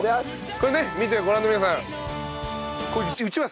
これねご覧の皆さん。